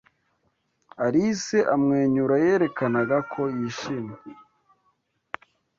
Alice amwenyura yerekanaga ko yishimye.